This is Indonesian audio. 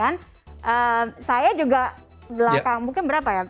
kan saya juga belakang mungkin berapa ya